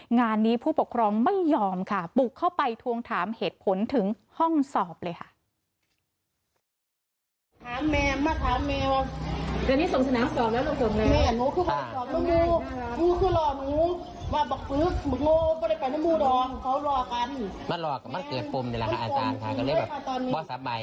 งานนี้ผู้ปกครองไม่ยอมค่ะบุกเข้าไปทวงถามเหตุผลถึงห้องสอบเลยค่ะ